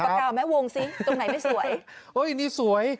ตรงไหนไม่สวย